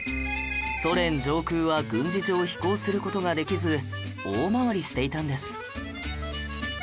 ソ連上空は軍事上飛行する事ができず大回りしていたんです